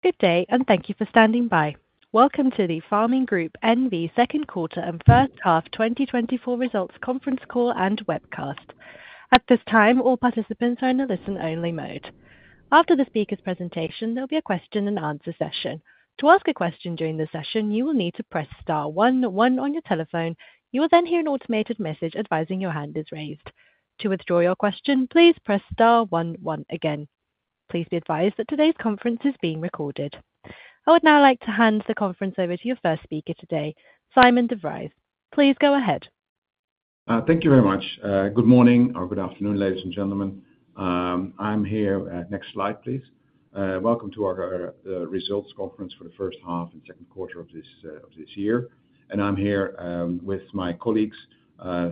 Good day, and thank you for standing by. Welcome to the Pharming Group N.V. second quarter and first half 2024 results conference call and webcast. At this time, all participants are in a listen-only mode. After the speaker's presentation, there'll be a question and answer session. To ask a question during the session, you will need to press star one one on your telephone. You will then hear an automated message advising your hand is raised. To withdraw your question, please press star one one again. Please be advised that today's conference is being recorded. I would now like to hand the conference over to your first speaker today, Sijmen de Vries. Please go ahead. Thank you very much. Good morning or good afternoon, ladies and gentlemen. I'm here. Next slide, please. Welcome to our results conference for the first half and second quarter of this year. I'm here with my colleagues,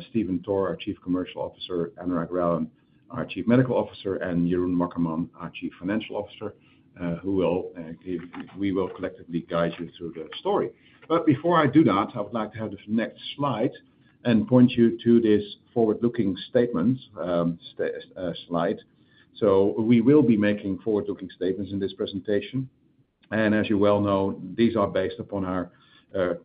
Stephen Toor, our Chief Commercial Officer, Anurag Relan, our Chief Medical Officer, and Jeroen Wakkerman, our Chief Financial Officer, who will—we will collectively guide you through the story. But before I do that, I would like to have the next slide and point you to this forward-looking statement slide. So we will be making forward-looking statements in this presentation, and as you well know, these are based upon our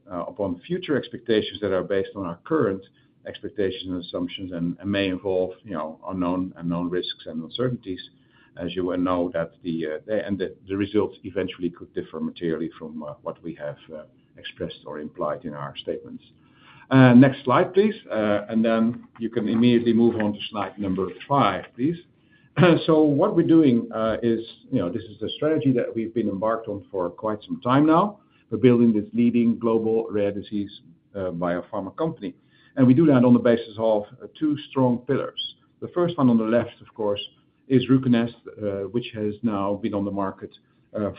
upon future expectations that are based on our current expectations and assumptions and may involve, you know, unknown risks and uncertainties. As you well know, the results eventually could differ materially from what we have expressed or implied in our statements. Next slide, please. And then you can immediately move on to slide number 5, please. So what we're doing is, you know, this is the strategy that we've been embarked on for quite some time now. We're building this leading global rare disease biopharma company, and we do that on the basis of two strong pillars. The first one on the left, of course, is Ruconest, which has now been on the market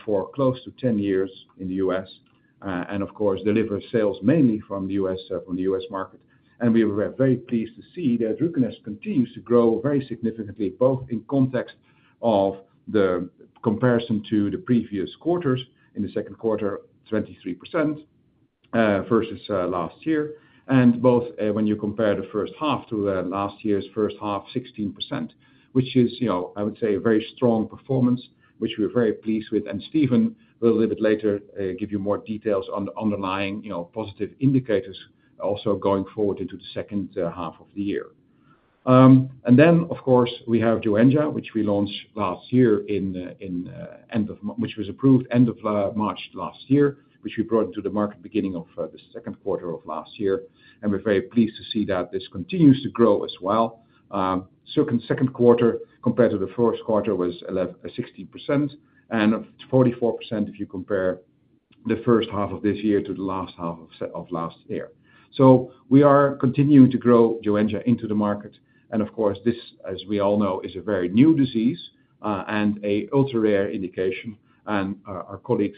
for close to 10 years in the US, and of course, delivers sales mainly from the US, from the US market. We were very pleased to see that Ruconest continues to grow very significantly, both in context of the comparison to the previous quarters in the second quarter, 23%, versus last year, and both, when you compare the first half to the last year's first half, 16%, which is, you know, I would say, a very strong performance, which we're very pleased with. And Stephen, a little bit later, give you more details on the underlying, you know, positive indicators also going forward into the second half of the year. And then, of course, we have Joenja, which we launched last year, which was approved end of March last year, which we brought to the market beginning of the second quarter of last year. We're very pleased to see that this continues to grow as well. Second quarter compared to the first quarter was 16%, and 44% if you compare the first half of this year to the last half of last year. So we are continuing to grow Joenja into the market, and of course, this, as we all know, is a very new disease, and a ultra-rare indication. Our colleagues,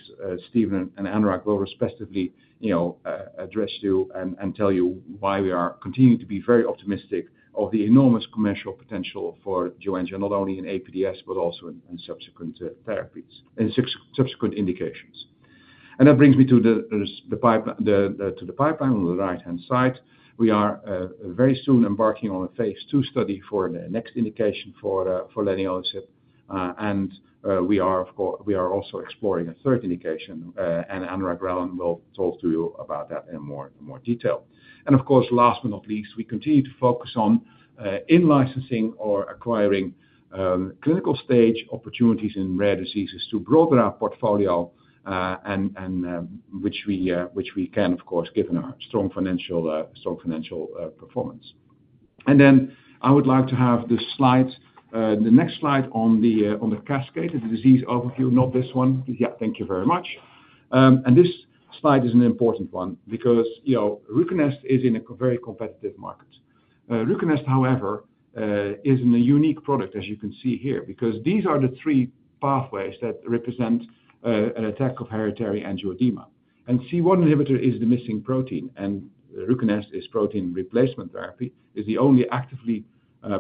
Stephen and Anurag, will respectively, you know, address you and tell you why we are continuing to be very optimistic of the enormous commercial potential for Joenja, not only in APDS, but also in subsequent therapies, in subsequent indications. That brings me to the pipeline on the right-hand side. We are very soon embarking on a phase II study for the next indication for leniolisib, and we are, of course, also exploring a third indication, and Anurag Relan will talk to you about that in more detail. And of course, last but not least, we continue to focus on in-licensing or acquiring clinical stage opportunities in rare diseases to broaden our portfolio, and which we can, of course, given our strong financial performance. And then I would like to have the next slide on the cascade, the disease overview. Not this one. Yeah, thank you very much. And this slide is an important one because, you know, Ruconest is in a very competitive market. Ruconest, however, is a unique product, as you can see here, because these are the three pathways that represent an attack of hereditary angioedema. C1 inhibitor is the missing protein, and Ruconest is protein replacement therapy, the only actively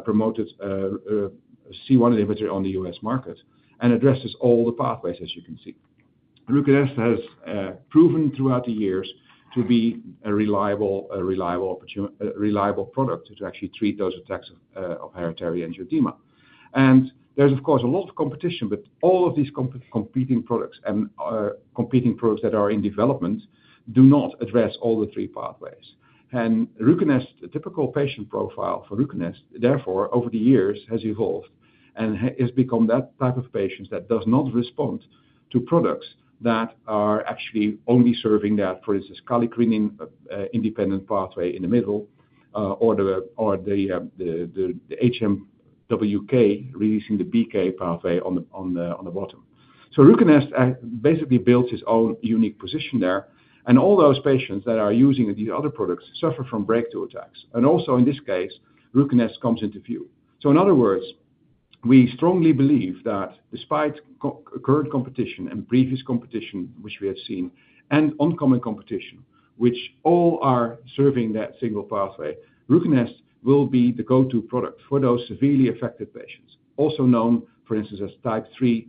promoted C1 inhibitor on the U.S. market and addresses all the pathways as you can see. Ruconest has proven throughout the years to be a reliable product to actually treat those attacks of hereditary angioedema. There's, of course, a lot of competition, but all of these competing products and competing products that are in development do not address all the three pathways. And Ruconest, the typical patient profile for Ruconest, therefore, over the years, has evolved and has become that type of patients that does not respond to products that are actually only serving that, for instance, kallikrein independent pathway in the middle, or the HMWK releasing the BK pathway on the bottom. So Ruconest basically built its own unique position there, and all those patients that are using these other products suffer from breakthrough attacks. And also, in this case, Ruconest comes into view. So in other words, we strongly believe that despite concurrent competition and previous competition, which we have seen, and upcoming competition, which all are serving that single pathway, Ruconest will be the go-to product for those severely affected patients, also known, for instance, as type 3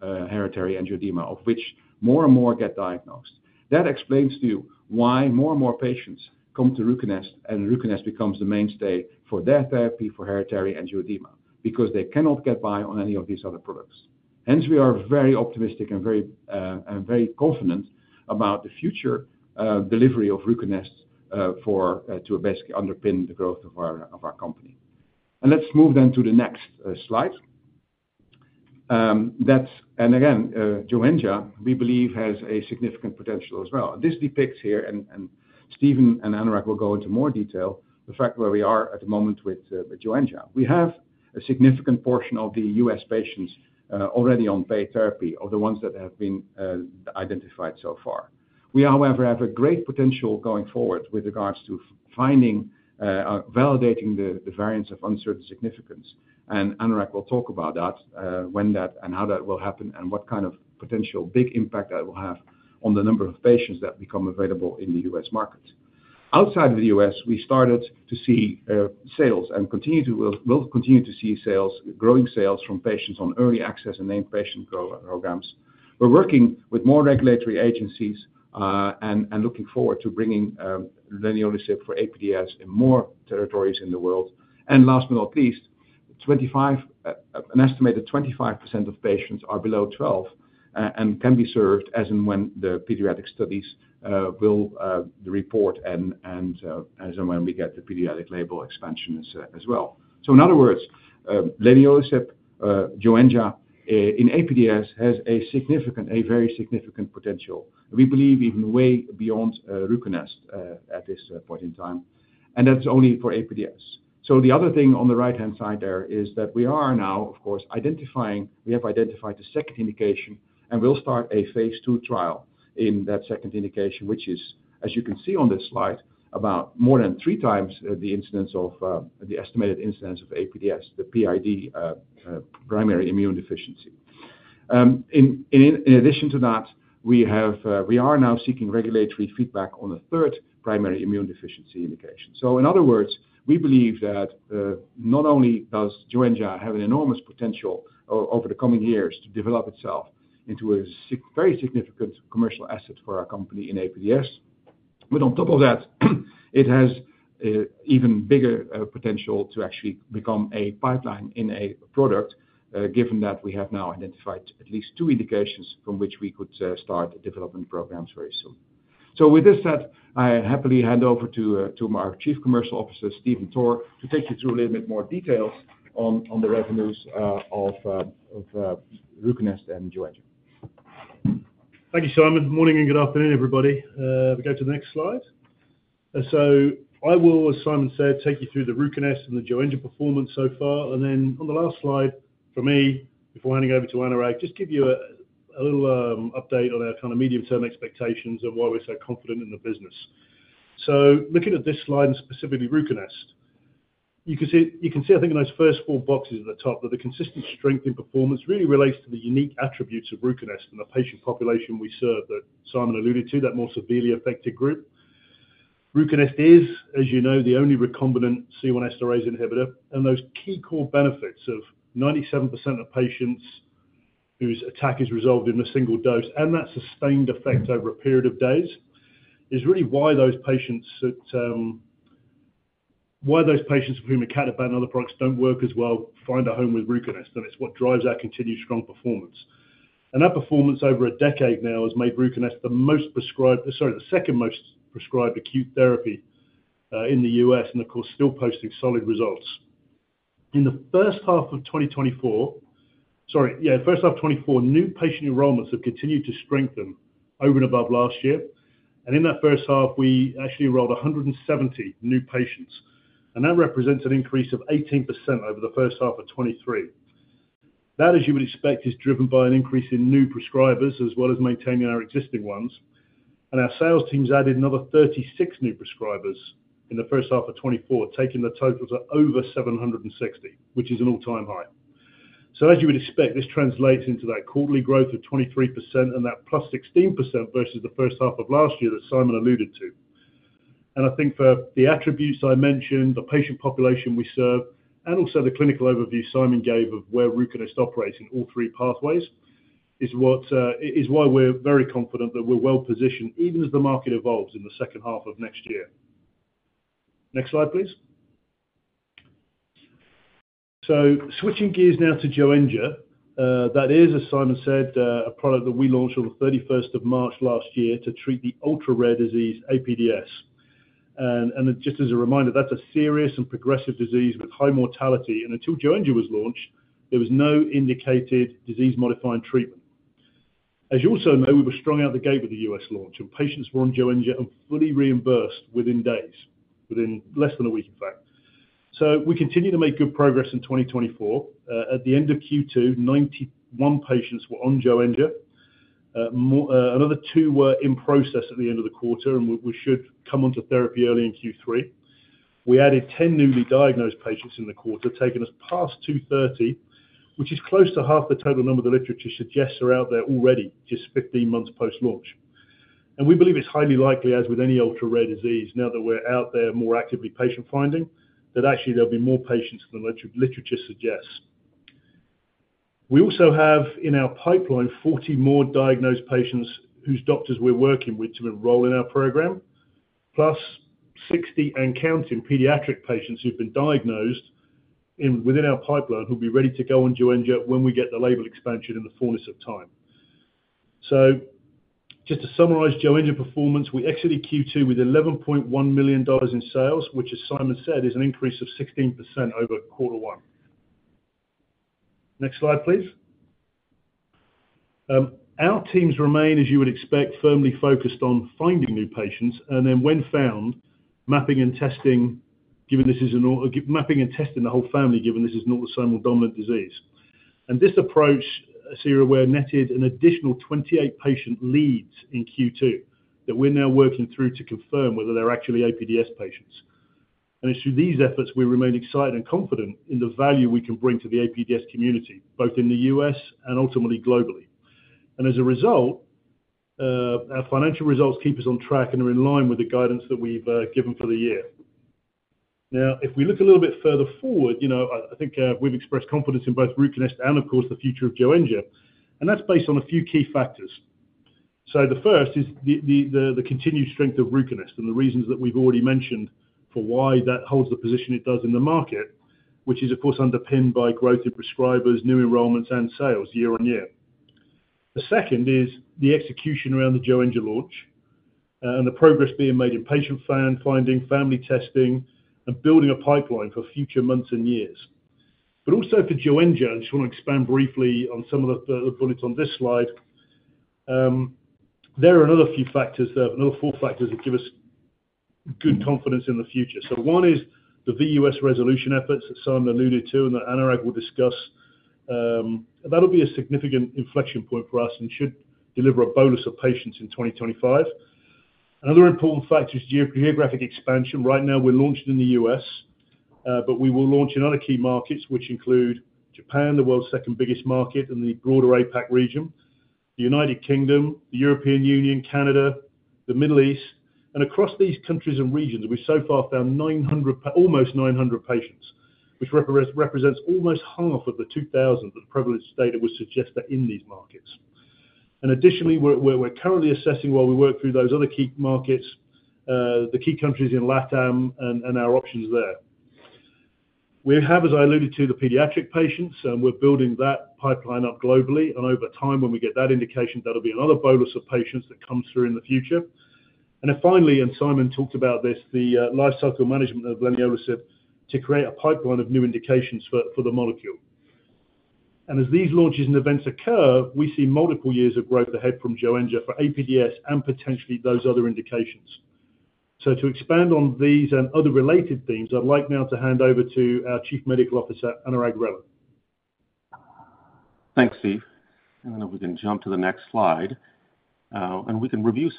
hereditary angioedema, of which more and more get diagnosed. That explains to you why more and more patients come to Ruconest, and Ruconest becomes the mainstay for their therapy for hereditary angioedema, because they cannot get by on any of these other products. Hence, we are very optimistic and very confident about the future delivery of Ruconest to basically underpin the growth of our company. And let's move then to the next slide. Joenja, we believe, has a significant potential as well. This depicts here, and Stephen and Anurag will go into more detail, the fact where we are at the moment with Joenja. We have a significant portion of the U.S. patients already on paid therapy, or the ones that have been identified so far. We, however, have a great potential going forward with regards to finding, validating the variants of uncertain significance. And Anurag will talk about that, when that and how that will happen, and what kind of potential big impact that will have on the number of patients that become available in the U.S. market. Outside of the U.S., we started to see sales and will continue to see sales, growing sales from patients on early access and named patient programs. We're working with more regulatory agencies, and looking forward to bringing leniolisib for APDS in more territories in the world. And last but not least, 25, uh, an estimated 25% of patients are below 12, uh, and can be served as and when the pediatric studies will report, and as and when we get the pediatric label expansions, as well. So in other words, leniolisib, Joenja, in APDS, has a significant, a very significant potential. We believe even way beyond Ruconest at this point in time, and that's only for APDS. So the other thing on the right-hand side there is that we are now, of course, identifying... We have identified the second indication, and we'll start a phase II trial in that second indication, which is, as you can see on this slide, about more than 3 times the incidence of the estimated incidence of APDS, the PID, primary immune deficiency. In addition to that, we are now seeking regulatory feedback on a third primary immune deficiency indication. So in other words, we believe that not only does Joenja have an enormous potential over the coming years to develop itself into a very significant commercial asset for our company in APDS, but on top of that, it has even bigger potential to actually become a pipeline in a product, given that we have now identified at least two indications from which we could start development programs very soon. So with this said, I happily hand over to our Chief Commercial Officer, Stephen Toor, to take you through a little bit more details on the revenues of Ruconest and Joenja. Thank you, Sijmen. Morning and good afternoon, everybody. We go to the next slide. So I will, as Sijmen said, take you through the Ruconest and the Joenja performance so far. Then on the last slide, for me, before handing over to Anurag, just give you a little update on our kind of medium-term expectations of why we're so confident in the business. So looking at this slide, and specifically Ruconest, you can see, you can see, I think, in those first four boxes at the top, that the consistent strength in performance really relates to the unique attributes of Ruconest and the patient population we serve, that Sijmen alluded to, that more severely affected group. Ruconest is, as you know, the only recombinant C1 esterase inhibitor, and those key core benefits of 97% of patients whose attack is resolved in a single dose, and that sustained effect over a period of days, is really why those patients that... Why those patients for whom Kalbitor and other products don't work as well, find a home with Ruconest, and it's what drives our continued strong performance. And that performance, over a decade now, has made Ruconest the most prescribed, sorry, the second-most prescribed acute therapy, in the U.S., and of course, still posting solid results. In the first half of 2024, new patient enrollments have continued to strengthen over and above last year. In that first half, we actually enrolled 170 new patients, and that represents an increase of 18% over the first half of 2023. That, as you would expect, is driven by an increase in new prescribers, as well as maintaining our existing ones. Our sales teams added another 36 new prescribers in the first half of 2024, taking the total to over 760, which is an all-time high. As you would expect, this translates into that quarterly growth of 23% and that +16% versus the first half of last year, that Sijmen alluded to. I think for the attributes I mentioned, the patient population we serve, and also the clinical overview Sijmen gave of where Ruconest operates in all three pathways, is what is why we're very confident that we're well-positioned, even as the market evolves in the second half of next year. Next slide, please. Switching gears now to Joenja, that is, as Sijmen said, a product that we launched on the thirty-first of March last year to treat the ultra-rare disease, APDS. Just as a reminder, that's a serious and progressive disease with high mortality, and until Joenja was launched, there was no indicated disease-modifying treatment. As you also know, we were strong out the gate with the U.S. launch, and patients were on Joenja and fully reimbursed within days, within less than a week, in fact. So we continue to make good progress in 2024. At the end of Q2, 91 patients were on Joenja. Another two were in process at the end of the quarter, and we should come onto therapy early in Q3. We added 10 newly diagnosed patients in the quarter, taking us past 230, which is close to half the total number the literature suggests are out there already, just 15 months post-launch. And we believe it's highly likely, as with any ultra-rare disease, now that we're out there more actively patient-finding, that actually there'll be more patients than literature suggests. We also have in our pipeline 40 more diagnosed patients whose doctors we're working with to enroll in our program, plus 60 and counting pediatric patients who've been diagnosed in, within our pipeline, who'll be ready to go on Joenja when we get the label expansion in the fullness of time. So just to summarize Joenja performance, we exited Q2 with $11.1 million in sales, which, as Sijmen said, is an increase of 16% over quarter one. Next slide, please. Our teams remain, as you would expect, firmly focused on finding new patients, and then when found, mapping and testing the whole family, given this is an autosomal dominant disease. This approach, as you're aware, netted an additional 28 patient leads in Q2 that we're now working through to confirm whether they're actually APDS patients. It's through these efforts, we remain excited and confident in the value we can bring to the APDS community, both in the U.S. and ultimately globally. As a result, our financial results keep us on track and are in line with the guidance that we've given for the year. Now, if we look a little bit further forward, you know, I think we've expressed confidence in both Ruconest and, of course, the future of Joenja, and that's based on a few key factors. So the first is the continued strength of Ruconest and the reasons that we've already mentioned for why that holds the position it does in the market, which is, of course, underpinned by growth in prescribers, new enrollments, and sales year on year. The second is the execution around the Joenja launch, and the progress being made in patient finding, family testing, and building a pipeline for future months and years. But also for Joenja, I just want to expand briefly on some of the bullets on this slide. There are another few factors that, another four factors that give us good confidence in the future. So one is the VUS resolution efforts that Sijmen alluded to and that Anurag will discuss. That'll be a significant inflection point for us and should deliver a bonus of patients in 2025. Another important factor is geographic expansion. Right now, we're launched in the U.S., but we will launch in other key markets, which include Japan, the world's second biggest market in the broader APAC region, the United Kingdom, the European Union, Canada, the Middle East. And across these countries and regions, we've so far found almost 900 patients, which represents almost half of the 2,000 that prevalence data would suggest are in these markets. And additionally, we're currently assessing, while we work through those other key markets, the key countries in LATAM and our options there. We have, as I alluded to, the pediatric patients, and we're building that pipeline up globally. And over time, when we get that indication, that'll be another bonus of patients that comes through in the future. And then finally, and Sijmen talked about this, the lifecycle management of leniolisib to create a pipeline of new indications for the molecule. And as these launches and events occur, we see multiple years of growth ahead from Joenja for APDS and potentially those other indications. So to expand on these and other related themes, I'd like now to hand over to our Chief Medical Officer, Anurag Relan. Thanks, Steve. And then if we can jump to the next slide, and we can review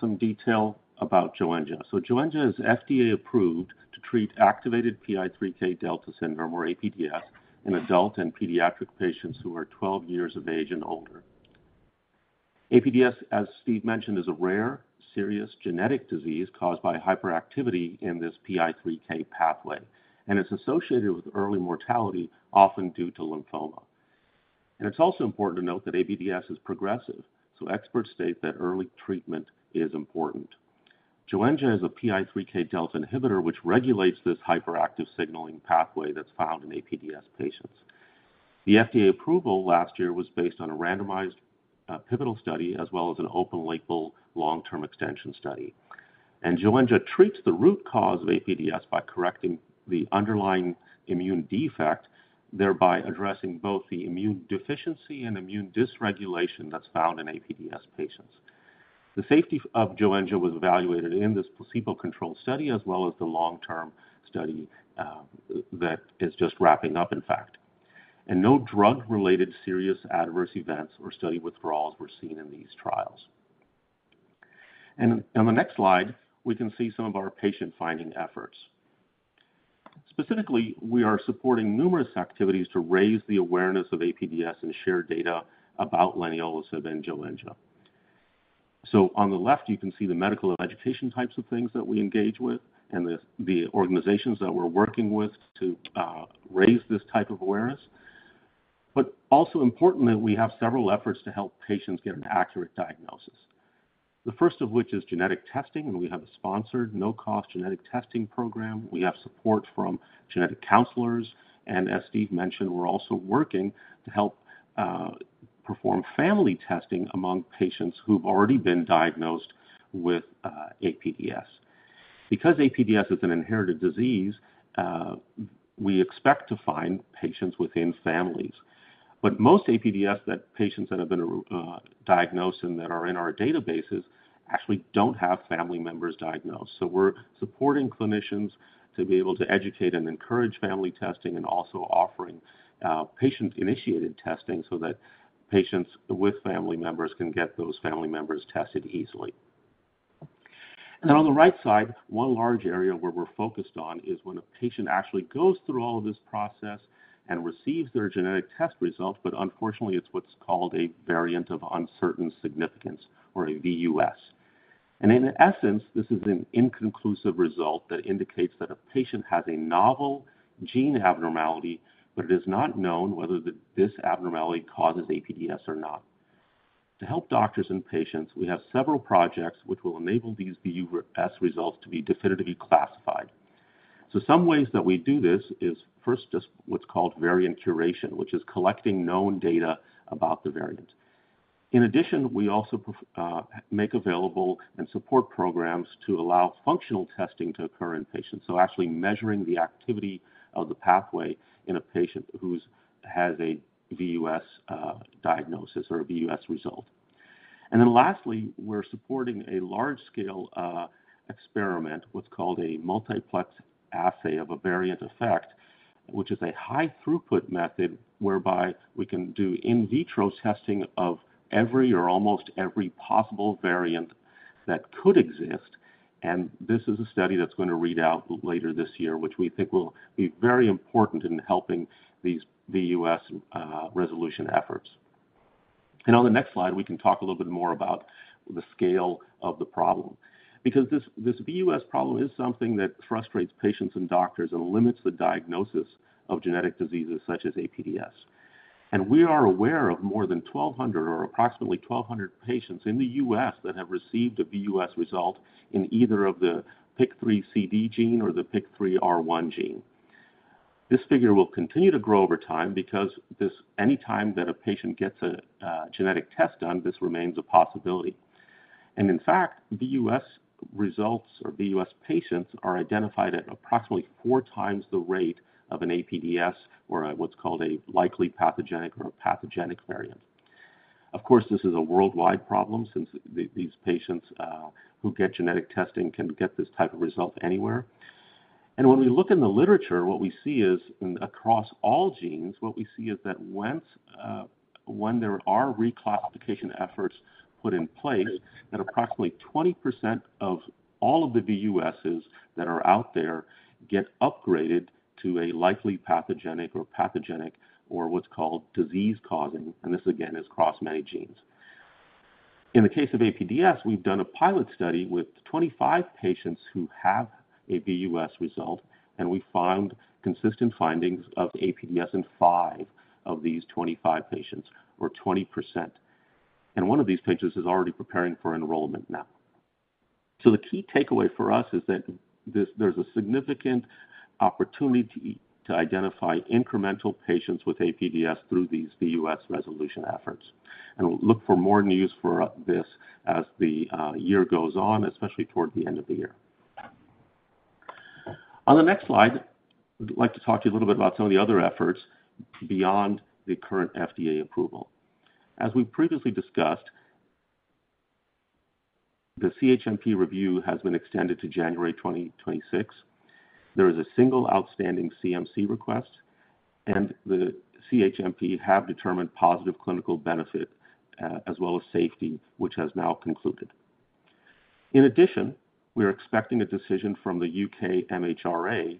some detail about Joenja. Joenja is FDA-approved to treat Activated PI3K Delta Syndrome, or APDS, in adult and pediatric patients who are 12 years of age and older. APDS, as Steve mentioned, is a rare, serious genetic disease caused by hyperactivity in this PI3K pathway, and it's associated with early mortality, often due to lymphoma. It's also important to note that APDS is progressive, so experts state that early treatment is important. Joenja is a PI3K delta inhibitor, which regulates this hyperactive signaling pathway that's found in APDS patients. The FDA approval last year was based on a randomized, pivotal study, as well as an open-label, long-term extension study. Joenja treats the root cause of APDS by correcting the underlying immune defect, thereby addressing both the immune deficiency and immune dysregulation that's found in APDS patients. The safety of Joenja was evaluated in this placebo-controlled study, as well as the long-term study that is just wrapping up, in fact, and no drug-related serious adverse events or study withdrawals were seen in these trials. On the next slide, we can see some of our patient-finding efforts. Specifically, we are supporting numerous activities to raise the awareness of APDS and share data about leniolisib and Joenja. On the left, you can see the medical and education types of things that we engage with and the organizations that we're working with to raise this type of awareness. But also importantly, we have several efforts to help patients get an accurate diagnosis. The first of which is genetic testing, and we have a sponsored no-cost genetic testing program. We have support from genetic counselors, and as Steve mentioned, we're also working to help perform family testing among patients who've already been diagnosed with APDS. Because APDS is an inherited disease, we expect to find patients within families. But most APDS patients that have been diagnosed and that are in our databases actually don't have family members diagnosed. So we're supporting clinicians to be able to educate and encourage family testing and also offering patient-initiated testing so that patients with family members can get those family members tested easily. And then on the right side, one large area where we're focused on is when a patient actually goes through all of this process and receives their genetic test results, but unfortunately, it's what's called a variant of uncertain significance, or a VUS. In essence, this is an inconclusive result that indicates that a patient has a novel gene abnormality, but it is not known whether the, this abnormality causes APDS or not. To help doctors and patients, we have several projects which will enable these VUS results to be definitively classified. So some ways that we do this is first, just what's called variant curation, which is collecting known data about the variant. In addition, we also make available and support programs to allow functional testing to occur in patients, so actually measuring the activity of the pathway in a patient who's has a VUS diagnosis or a VUS result. And then lastly, we're supporting a large-scale experiment, what's called a multiplex assay of a variant effect, which is a high-throughput method whereby we can do in vitro testing of every or almost every possible variant that could exist. And this is a study that's going to read out later this year, which we think will be very important in helping these VUS resolution efforts. And on the next slide, we can talk a little bit more about the scale of the problem, because this, this VUS problem is something that frustrates patients and doctors and limits the diagnosis of genetic diseases such as APDS. We are aware of more than 1,200 or approximately 1,200 patients in the U.S. that have received a VUS result in either of the PIK3CD gene or the PIK3R1 gene. This figure will continue to grow over time because any time that a patient gets a genetic test done, this remains a possibility. In fact, VUS results or VUS patients are identified at approximately four times the rate of an APDS or a what's called a likely pathogenic or a pathogenic variant. Of course, this is a worldwide problem since these patients who get genetic testing can get this type of result anywhere. When we look in the literature, what we see is, across all genes, what we see is that once, when there are reclassification efforts put in place, that approximately 20% of all of the VUSs that are out there get upgraded to a likely pathogenic or pathogenic or what's called disease-causing, and this again, is across many genes. In the case of APDS, we've done a pilot study with 25 patients who have a VUS result, and we found consistent findings of APDS in five of these 25 patients, or 20%. And one of these patients is already preparing for enrollment now. So the key takeaway for us is that this, there's a significant opportunity to identify incremental patients with APDS through these VUS resolution efforts. And look for more news for this as the year goes on, especially toward the end of the year. On the next slide, I'd like to talk to you a little bit about some of the other efforts beyond the current FDA approval. As we previously discussed, the CHMP review has been extended to January 2026. There is a single outstanding CMC request, and the CHMP have determined positive clinical benefit, as well as safety, which has now concluded. In addition, we are expecting a decision from the U.K. MHRA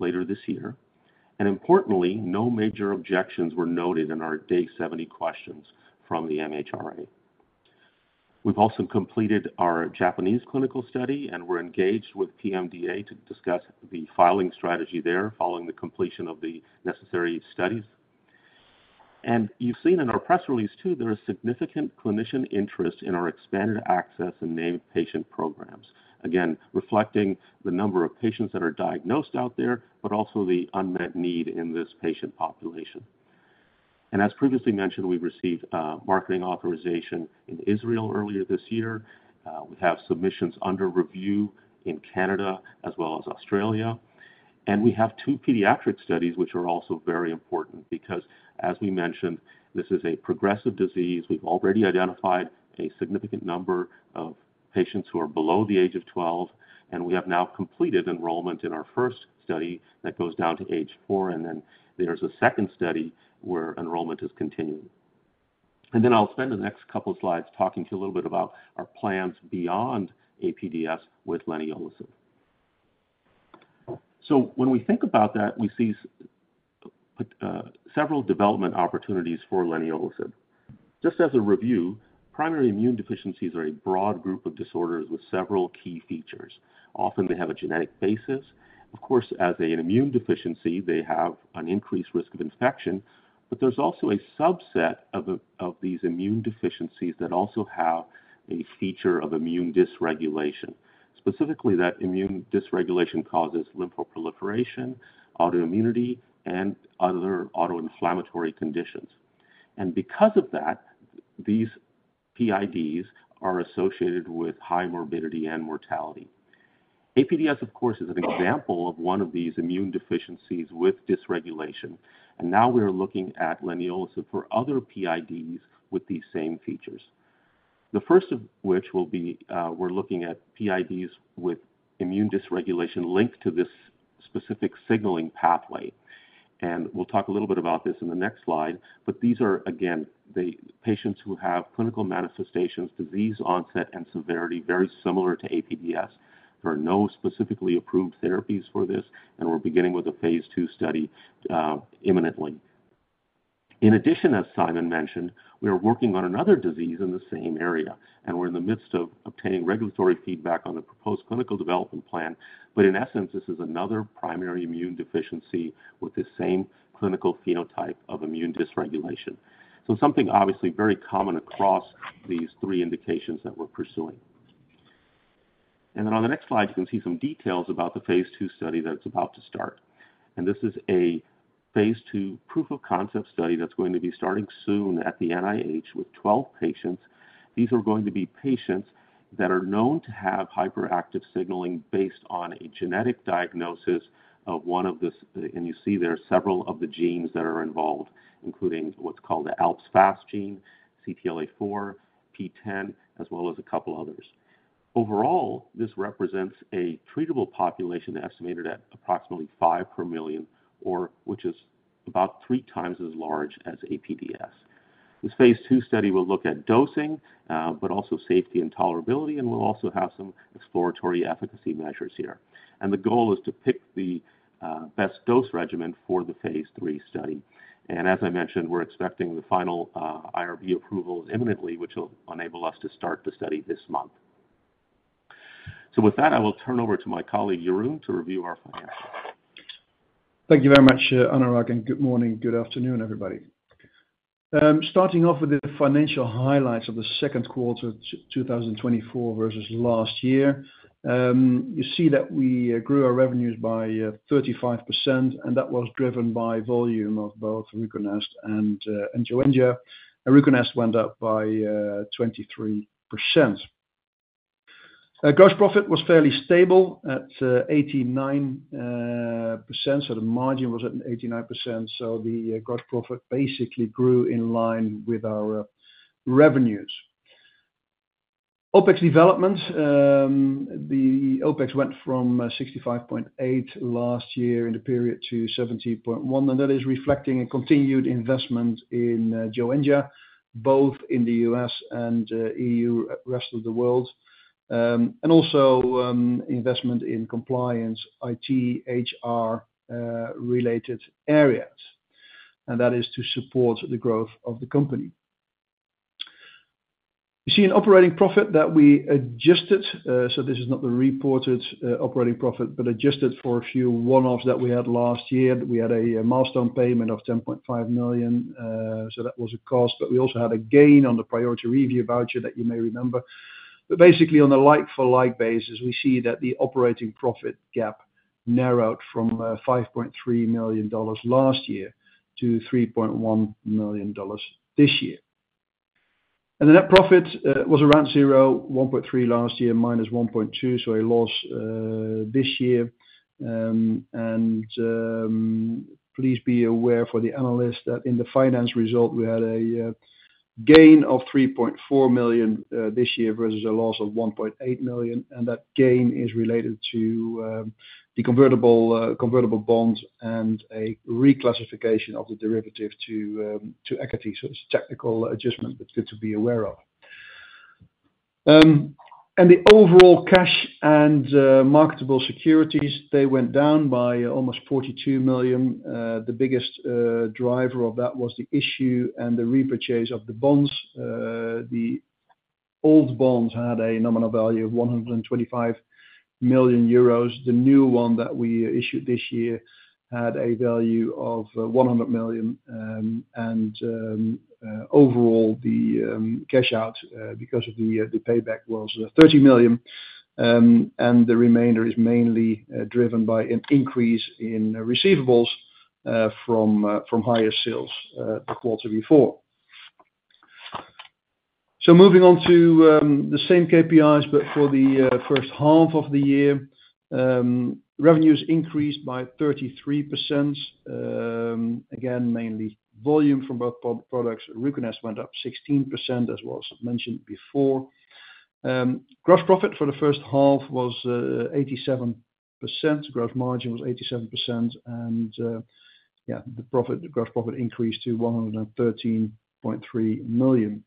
later this year, and importantly, no major objections were noted in our day 70 questions from the MHRA. We've also completed our Japanese clinical study, and we're engaged with PMDA to discuss the filing strategy there, following the completion of the necessary studies. And you've seen in our press release, too, there is significant clinician interest in our expanded access and named patient program Again, reflecting the number of patients that are diagnosed out there, but also the unmet need in this patient population. As previously mentioned, we received marketing authorization in Israel earlier this year. We have submissions under review in Canada as well as Australia, and we have two pediatric studies, which are also very important because, as we mentioned, this is a progressive disease. We've already identified a significant number of patients who are below the age of 12, and we have now completed enrollment in our first study that goes down to age four, and then there's a second study where enrollment is continuing. And then I'll spend the next couple of slides talking to you a little bit about our plans beyond APDS with leniolisib. So when we think about that, we see several development opportunities for leniolisib. Just as a review, primary immune deficiencies are a broad group of disorders with several key features. Often they have a genetic basis. Of course, as an immune deficiency, they have an increased risk of infection, but there's also a subset of these immune deficiencies that also have a feature of immune dysregulation. Specifically, that immune dysregulation causes lymphoproliferation, autoimmunity, and other autoinflammatory conditions. And because of that, these PIDs are associated with high morbidity and mortality. APDS, of course, is an example of one of these immune deficiencies with dysregulation, and now we are looking at leniolisib for other PIDs with these same features. The first of which will be, we're looking at PIDs with immune dysregulation linked to this specific signaling pathway. We'll talk a little bit about this in the next slide, but these are, again, the patients who have clinical manifestations, disease onset, and severity very similar to APDS. There are no specifically approved therapies for this, and we're beginning with a phase II study imminently. In addition, as Sijmen mentioned, we are working on another disease in the same area, and we're in the midst of obtaining regulatory feedback on the proposed clinical development plan. But in essence, this is another primary immune deficiency with the same clinical phenotype of immune dysregulation. So something obviously very common across these three indications that we're pursuing. And then on the next slide, you can see some details about the phase II study that's about to start. And this is a phase II proof of concept study that's going to be starting soon at the NIH with 12 patients. These are going to be patients that are known to have hyperactive signaling based on a genetic diagnosis of one of the-- and you see there are several of the genes that are involved, including what's called the ALPS-FAS gene, CTLA-4, PTEN, as well as a couple others. Overall, this represents a treatable population estimated at approximately five per million, or which is about three times as large as APDS. This phase II study will look at dosing, but also safety and tolerability, and we'll also have some exploratory efficacy measures here. And the goal is to pick the, best dose regimen for the phase III study. And as I mentioned, we're expecting the final, IRB approval imminently, which will enable us to start the study this month. So with that, I will turn over to my colleague, Jeroen, to review our finances. Thank you very much, Anurag, and good morning. Good afternoon, everybody. Starting off with the financial highlights of the second quarter, 2024 versus last year, you see that we grew our revenues by 35%, and that was driven by volume of both Ruconest and Joenja. Ruconest went up by 23%. Gross profit was fairly stable at 89%, so the margin was at 89%, so the gross profit basically grew in line with our revenues. OpEx development, the OpEx went from $65.8 million last year in the period to $17.1 million, and that is reflecting a continued investment in Joenja, both in the U.S. and EU, rest of the world, and also investment in compliance, IT, HR related areas, and that is to support the growth of the company. You see an operating profit that we adjusted, so this is not the reported operating profit, but adjusted for a few one-offs that we had last year. We had a milestone payment of $10.5 million, so that was a cost, but we also had a gain on the priority review voucher that you may remember. Basically, on a like-for-like basis, we see that the operating profit gap narrowed from $5.3 million last year to $3.1 million this year. And the net profit was around 0, $1.3 million last year, minus $1.2 million, so a loss this year. And please be aware for the analyst, that in the finance result, we had a gain of $3.4 million this year, versus a loss of $1.8 million, and that gain is related to the convertible bond and a reclassification of the derivative to equity. So it's a technical adjustment, but good to be aware of. And the overall cash and marketable securities, they went down by almost $42 million. The biggest driver of that was the issue and the repurchase of the bonds. The old bonds had a nominal value of 125 million euros. The new one that we issued this year had a value of 100 million, and overall, the cash out because of the payback was 30 million, and the remainder is mainly driven by an increase in receivables from higher sales the quarter before. So moving on to the same KPIs, but for the first half of the year, revenues increased by 33%, again, mainly volume from both products. Ruconest went up 16%, as was mentioned before. Gross profit for the first half was 87%. Gross margin was 87%, and the profit, the gross profit increased to $113.3 million.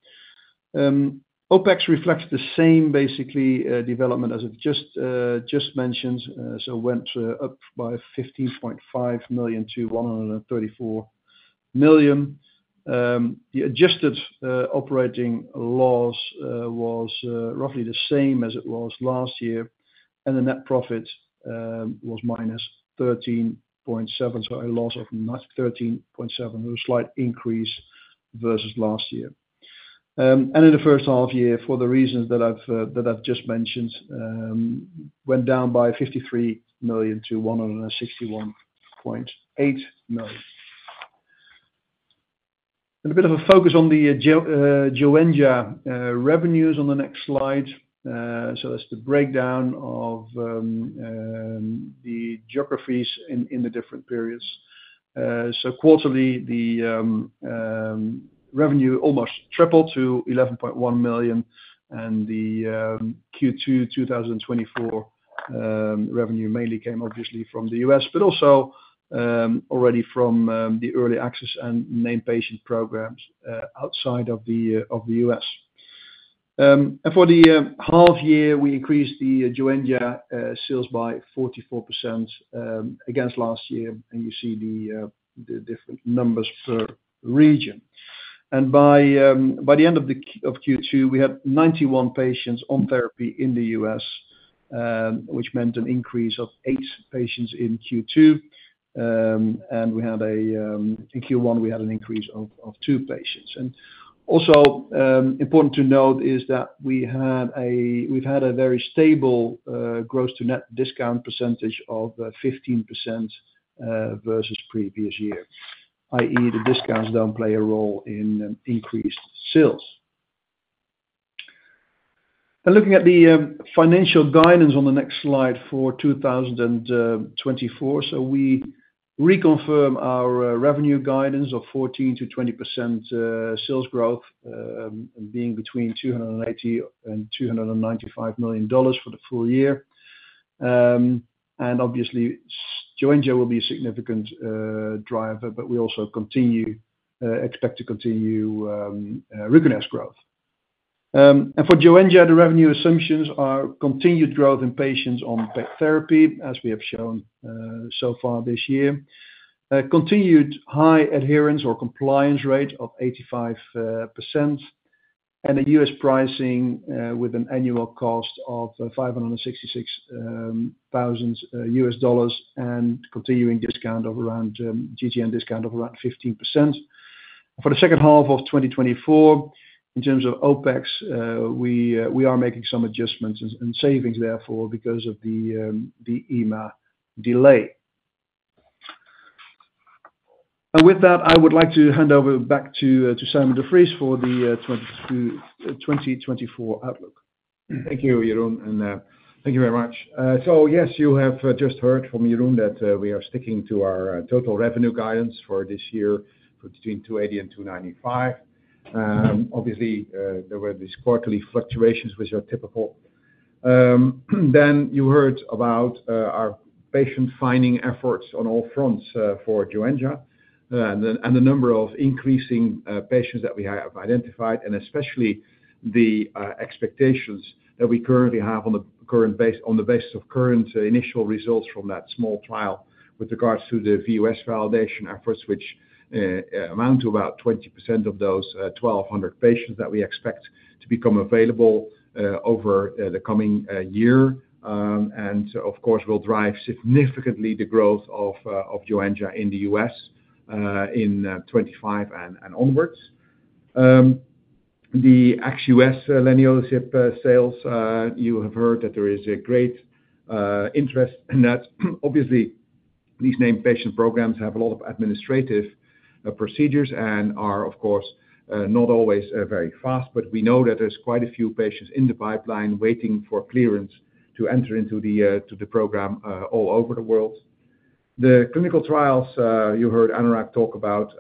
OPEX reflects the same, basically, development as it just mentioned, so went up by $15.5 million to $134 million. The adjusted operating loss was roughly the same as it was last year, and the net profit was -$13.7 million. So a loss of -$13.7 million a slight increase versus last year. And in the first half year, for the reasons that I've just mentioned, went down by $53 million to $161.8 million. And a bit of a focus on the Joenja revenues on the next slid So that's the breakdown of the geographies in the different periods. So quarterly, the revenue almost tripled to $11.1 million, and the Q2 2024 revenue mainly came obviously from the U.S., but also already from the early access and named patient programs outside of the U.S. And for the half year, we increased the Joenja sales by 44% against last year, and you see the different numbers per region. And by the end of Q2, we had 91 patients on therapy in the U.S., which meant an increase of eight patients in Q2. And in Q1, we had an increase of two patients. Also, important to note is that we've had a very stable gross-to-net discount percentage of 15%, versus previous year, i.e., the discounts don't play a role in increased sales. Looking at the financial guidance on the next slide for 2024. So we reconfirm our revenue guidance of 14%-20% sales growth, being between $280 million and $295 million for the full year. Obviously, Joenja will be a significant driver, but we also expect to continue Ruconest growth. For Joenja, the revenue assumptions are continued growth in patients on therapy, as we have shown so far this year. Continued high adherence or compliance rate of 85%, and a U.S. pricing with an annual cost of $566,000, and continuing discount of around GTN discount of around 15%. For the second half of 2024, in terms of OpEx, we are making some adjustments and savings therefore, because of the EMA delay. And with that, I would like to hand over back to Sijmen de Vries for the 2024 outlook. Thank you, Jeroen, and thank you very much. So yes, you have just heard from Jeroen that we are sticking to our total revenue guidance for this year, for between $280 million and $295 million. Obviously, there were these quarterly fluctuations, which are typical. Then you heard about our patient-finding efforts on all fronts for Joenja, and the number of increasing patients that we have identified, and especially the expectations that we currently have on the basis of current initial results from that small trial with regards to the VUS validation efforts, which amount to about 20% of those 1,200 patients that we expect to become available over the coming year. And of course, will drive significantly the growth of Joenja in the U.S., in 2025 and onwards. The ex-U.S. leniolisib sales, you have heard that there is a great interest in that. Obviously, these named patient programs have a lot of administrative procedures and are, of course, not always very fast, but we know that there's quite a few patients in the pipeline waiting for clearance to enter into the to the program all over the world. The clinical trials you heard Anurag talk about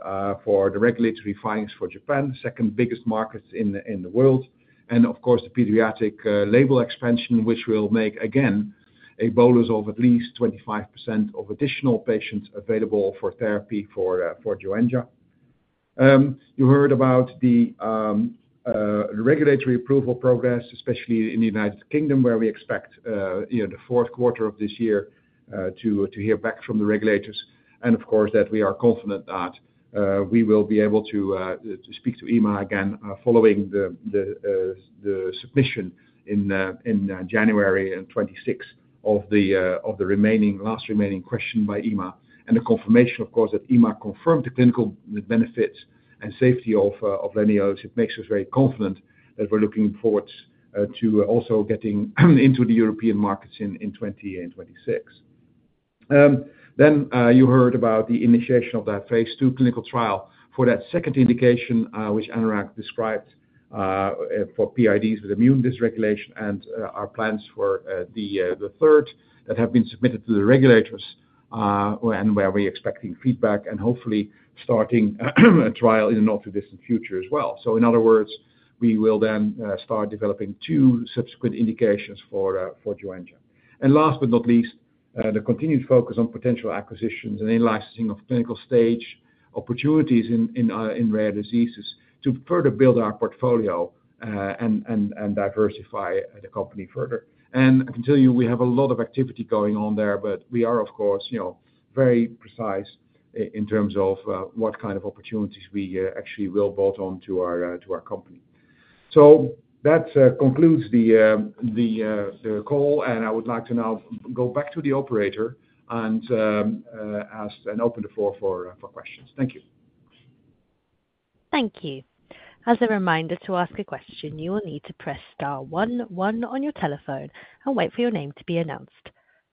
for the regulatory filings for Japan, the second biggest markets in the world. And of course, the pediatric label expansion, which will make, again, a bolus of at least 25% of additional patients available for therapy for Joenja. You heard about the regulatory approval progress, especially in the United Kingdom, where we expect, you know, the fourth quarter of this year to hear back from the regulators. Of course, that we are confident that we will be able to speak to EMA again following the submission in January 26 of the last remaining question by EMA. And the confirmation, of course, that EMA confirmed the clinical benefits and safety of leniolisib. It makes us very confident that we're looking forward to also getting into the European markets in 2026. Then you heard about the initiation of that phase II clinical trial for that second indication, which Anurag described, for PIDs with immune dysregulation and our plans for the third that have been submitted to the regulators, and where we're expecting feedback, and hopefully starting a trial in the not-too-distant future as well. So in other words, we will then start developing two subsequent indications for Joenja. And last but not least, the continued focus on potential acquisitions and in-licensing of clinical stage opportunities in rare diseases to further build our portfolio and diversify the company further. And I can tell you, we have a lot of activity going on there, but we are, of course, you know, very precise in terms of what kind of opportunities we actually will bolt on to our to our company. So that concludes the call, and I would like to now go back to the operator and ask and open the floor for for questions. Thank you. Thank you. As a reminder, to ask a question, you will need to press star one one on your telephone and wait for your name to be announced.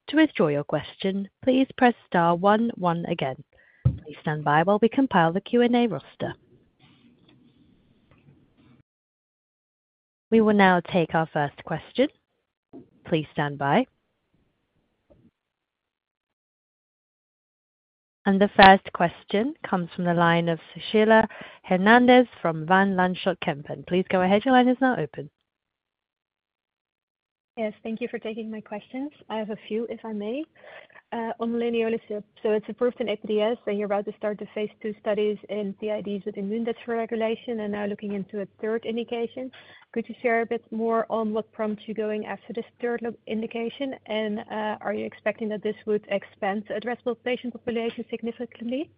To withdraw your question, please press star one one again. Please stand by while we compile the Q&A roster. We will now take our first question. Please stand by. And the first question comes from the line of Sushila Hernandez from Van Lanschot Kempen. Please go ahead. Your line is now open. Yes, thank you for taking my questions. I have a few, if I may. On leniolisib. So it's approved in APDS, and you're about to start the phase II studies in PIDs with immune dysregulation, and now looking into a third indication. Could you share a bit more on what prompts you going after this third indication? And, are you expecting that this would expand the addressable patient population significantly?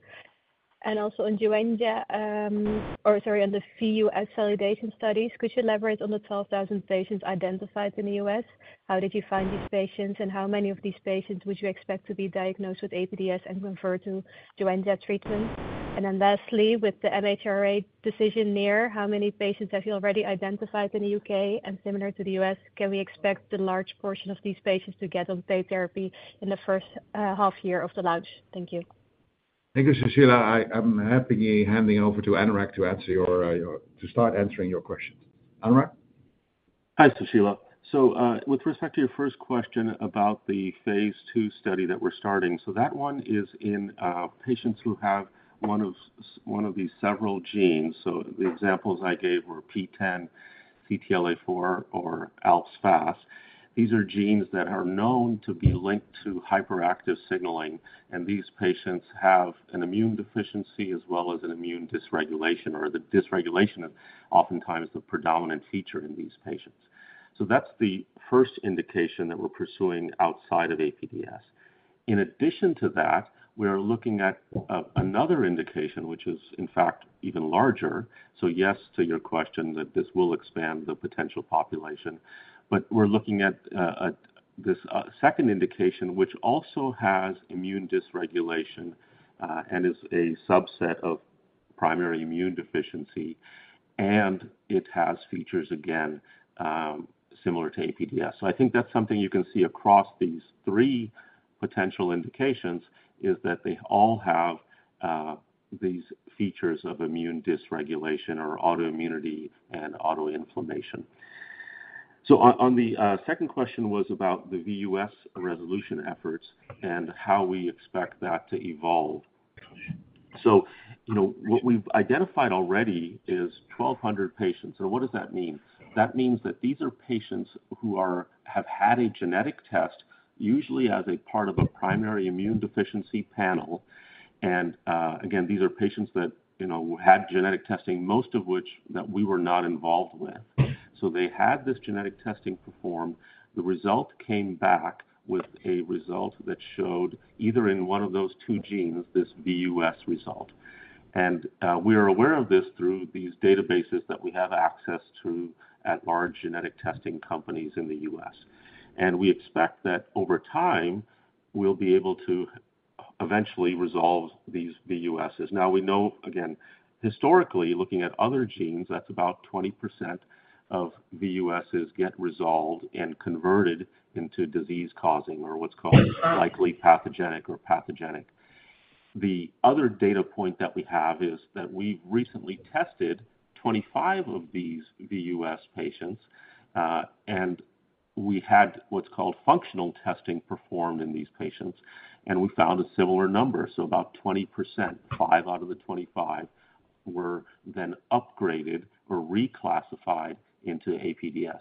And also in Joenja, on the VUS acceleration studies, could you elaborate on the 12,000 patients identified in the U.S.? How did you find these patients, and how many of these patients would you expect to be diagnosed with APDS and referred to Joenja treatment? And then lastly, with the MHRA decision near, how many patients have you already identified in the U.K.? Similar to the U.S., can we expect a large portion of these patients to get on paid therapy in the first half year of the launch? Thank you. Thank you, Sushila. I'm happily handing over to Anurag to start answering your questions. Anurag? Hi, Sushila. So, with respect to your first question about the phase II study that we're starting, so that one is in patients who have one of these several genes. So the examples I gave were PTEN, CTLA-4, or ALPS-FAS. These are genes that are known to be linked to hyperactive signaling, and these patients have an immune deficiency as well as an immune dysregulation, or the dysregulation of oftentimes the predominant feature in these patients. So that's the first indication that we're pursuing outside of APDS. In addition to that, we are looking at another indication, which is in fact even larger. So yes to your question that this will expand the potential population. But we're looking at this second indication, which also has immune dysregulation, and is a subset of primary immune deficiency, and it has features again, similar to APDS. So I think that's something you can see across these three potential indications, is that they all have these features of immune dysregulation or autoimmunity and autoinflammation. So on the second question was about the VUS resolution efforts and how we expect that to evolve. So, you know, what we've identified already is 1,200 patients, and what does that mean? That means that these are patients who are, have had a genetic test, usually as a part of a primary immune deficiency panel. And again, these are patients that, you know, had genetic testing, most of which that we were not involved with. So they had this genetic testing performed. The result came back with a result that showed either in one of those two genes, this VUS result. We are aware of this through these databases that we have access to at large genetic testing companies in the U.S. We expect that over time, we'll be able to eventually resolve these VUSs. Now, we know, again, historically, looking at other genes, that's about 20% of VUSs get resolved and converted into disease-causing or what's called likely pathogenic or pathogenic. The other data point that we have is that we've recently tested 25 of these VUS patients, and we had what's called functional testing performed in these patients, and we found a similar number. About 20%, 5 out of the 25, were then upgraded or reclassified into APDS.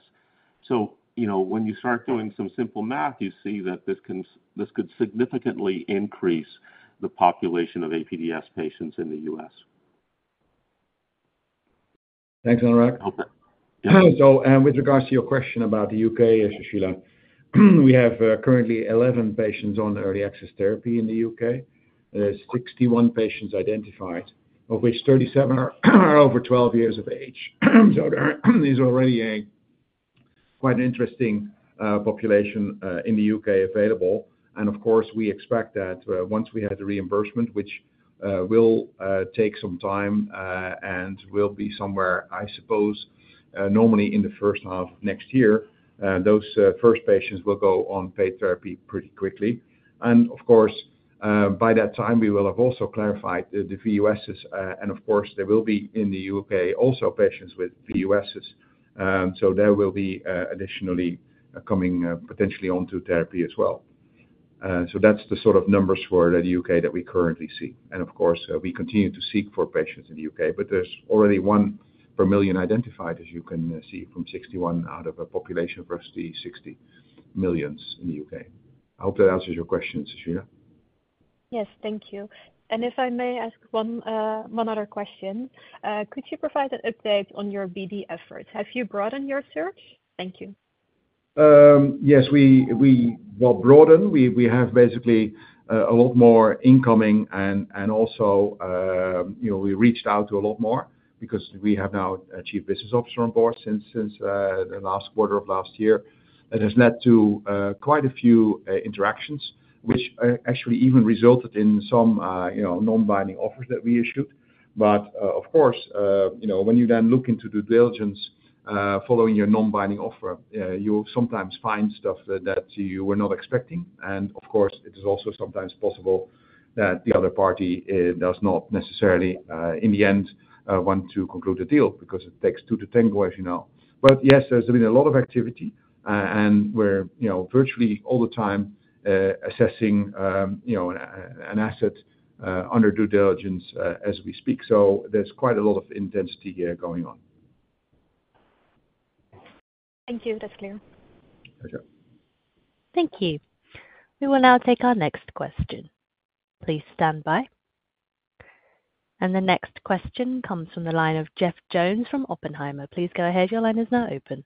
You know, when you start doing some simple math, you see that this could significantly increase the population of APDS patients in the U.S. Thanks, Anurag. So, with regards to your question about the U.K., Sushila, we have currently 11 patients on early access therapy in the U.K. There's 61 patients identified, of which 37 are over 12 years of age. So there's already a quite interesting population in the U.K. available. And of course, we expect that once we have the reimbursement, which will take some time, and will be somewhere, I suppose, normally in the first half of next year, those first patients will go on paid therapy pretty quickly. And of course, by that time, we will have also clarified the VUSs, and of course, there will be in the U.K. also patients with VUSs. So there will be additionally coming potentially onto therapy as well. So that's the sort of numbers for the U.K. that we currently see. And of course, we continue to seek for patients in the U.K., but there's already 1 per million identified, as you can see, from 61 out of a population of roughly 60 million in the U.K. I hope that answers your question, Sushila. Yes, thank you. If I may ask one other question. Could you provide an update on your BD efforts? Have you broadened your search? Thank you. Yes, we well, broadened. We have basically a lot more incoming and also, you know, we reached out to a lot more because we have now a chief business officer on board since the last quarter of last year. That has led to quite a few interactions, which actually even resulted in some, you know, non-binding offers that we issued. But, of course, you know, when you then look into due diligence following your non-binding offer, you sometimes find stuff that you were not expecting. And of course, it is also sometimes possible that the other party does not necessarily in the end want to conclude the deal because it takes two to tango, as you know. But yes, there's been a lot of activity, and we're, you know, virtually all the time assessing an asset under due diligence as we speak. So there's quite a lot of intensity here going on. Thank you. That's clear. Thank you. We will now take our next question. Please stand by. The next question comes from the line of Jeff Jones from Oppenheimer. Please go ahead. Your line is now open.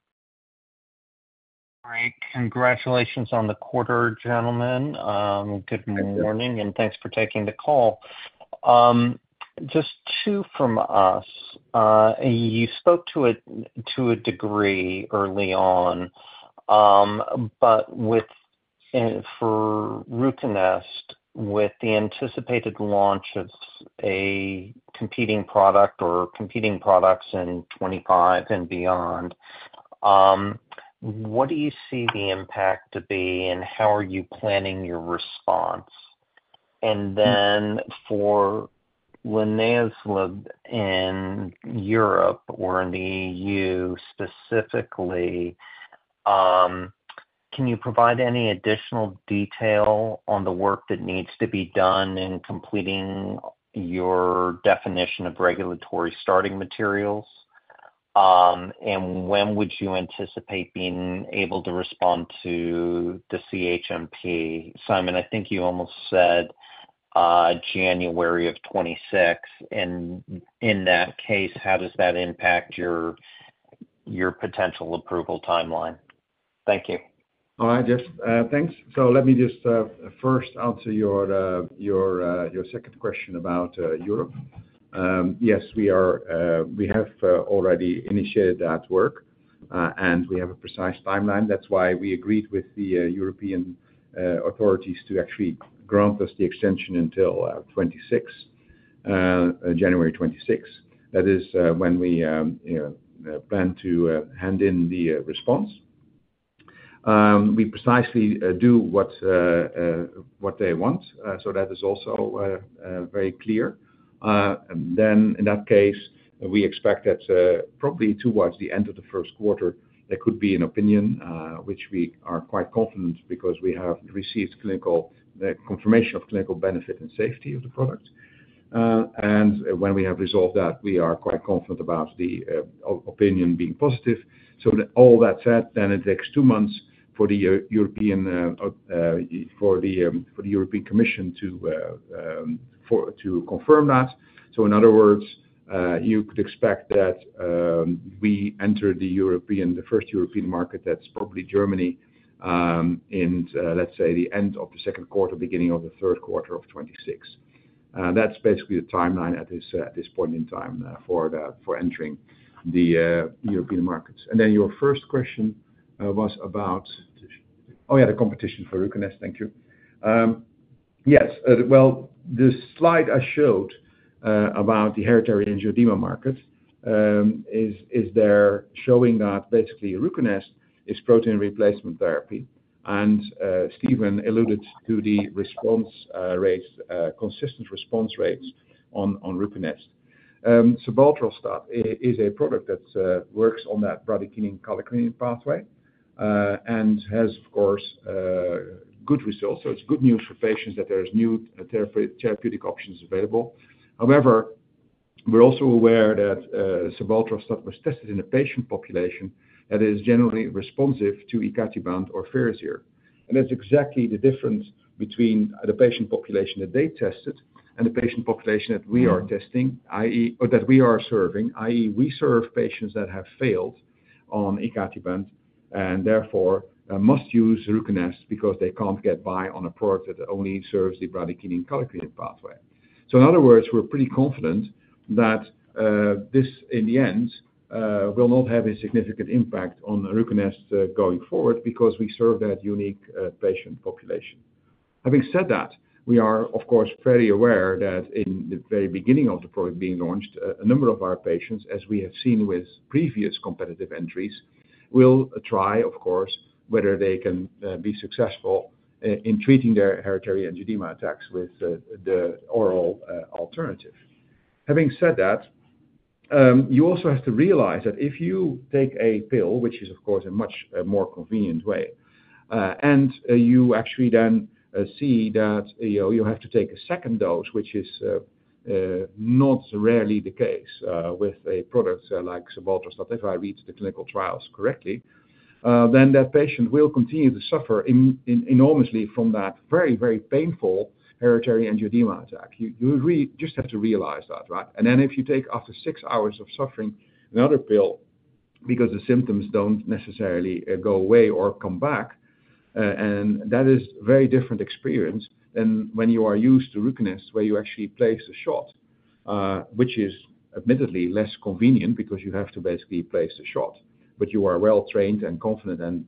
Great. Congratulations on the quarter, gentlemen. Good morning, and thanks for taking the call. Just two from us. You spoke to a degree early on, but with for Ruconest, with the anticipated launch of a competing product or competing products in 2025 and beyond, what do you see the impact to be, and how are you planning your response? And then for leniolisib in Europe or in the EU specifically, can you provide any additional detail on the work that needs to be done in completing your definition of regulatory starting materials? And when would you anticipate being able to respond to the CHMP? Sijmen, I think you almost said, January of 2026, and in that case, how does that impact your potential approval timeline? Thank you. All right, Jeff. Thanks. So let me just first answer your second question about Europe. Yes, we are, we have already initiated that work, and we have a precise timeline. That's why we agreed with the European authorities to actually grant us the extension until January, 2026. That is when we, you know, plan to hand in the response. We precisely do what they want, so that is also very clear. And then in that case, we expect that probably towards the end of the first quarter, there could be an opinion, which we are quite confident because we have received clinical confirmation of clinical benefit and safety of the product. When we have resolved that, we are quite confident about the opinion being positive. So all that said, it takes two months for the European Commission to confirm that. So in other words, you could expect that we enter the European, the first European market, that's probably Germany, in, let's say, the end of the second quarter, beginning of the third quarter of 2026. That's basically the timeline at this point in time for entering the European markets. Then your first question was about... Oh, yeah, the competition for Ruconest. Thank you. Yes. Well, the slide are showed about the hereditary angioedema market is there showing that basically Ruconest is protein replacement therapy, and Stephen alluded to the response rates, consistent response rates on Ruconest. Sebetralstat is a product that works on that bradykinin kallikrein pathway and has, of course, good results. So it's good news for patients that there's new therapeutic options available. However, we're also aware that sebetralstat was tested in a patient population that is generally responsive to icatibant or Firazyr. And that's exactly the difference between the patient population that they tested and the patient population that we are testing, i.e., or that we are serving, i.e., we serve patients that have failed on icatibant and therefore must use Ruconest because they can't get by on a product that only serves the bradykinin kallikrein pathway. So in other words, we're pretty confident that, this, in the end, will not have a significant impact on Ruconest, going forward because we serve that unique, patient population. Having said that, we are, of course, very aware that in the very beginning of the product being launched, a number of our patients, as we have seen with previous competitive entries, will try, of course, whether they can, be successful in treating their hereditary angioedema attacks with the, the oral, alternative. Having said that, you also have to realize that if you take a pill, which is of course a much more convenient way, and you actually then see that, you know, you have to take a second dose, which is not rarely the case with a product like sebetralstat. If I read the clinical trials correctly, then that patient will continue to suffer enormously from that very, very painful hereditary angioedema attack. You just have to realize that, right? And then if you take after six hours of suffering another pill, because the symptoms don't necessarily go away or come back, and that is very different experience than when you are used to Ruconest, where you actually place a shot, which is admittedly less convenient because you have to basically place a shot. But you are well-trained and confident, and